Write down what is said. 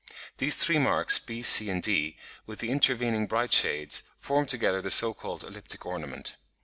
These three marks, b, c, and d, with the intervening bright shades, form together the so called elliptic ornament.